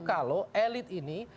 kalau elit ini